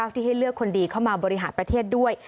ที่ให้เลือกคนดีเข้ามาบริหารประเทศด้วย